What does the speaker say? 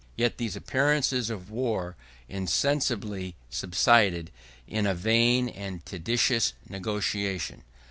Yet these appearances of war insensibly subsided in a vain and tedious negotiation.